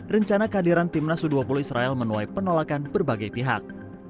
rencana kehadiran timnas u dua puluh israel menuai penolakan berbagai pihak